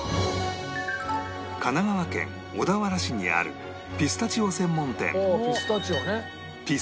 神奈川県小田原市にあるピスタチオ専門店